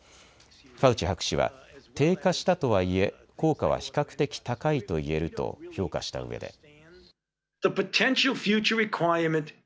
ファウチ博士は、低下したとはいえ、効果は比較的高いといえると評価したうえで。